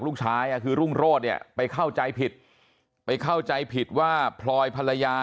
ลูกชายอ่ะคือลุงโรศไปเข้าใจผิดไปเข้าใจผิดว่าพลอยภรรยา